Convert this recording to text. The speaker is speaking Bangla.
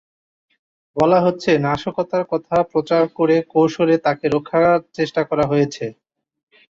বলা হচ্ছে, নাশকতার কথা প্রচার করে কৌশলে তাঁকে রক্ষার চেষ্টা করা হয়েছে।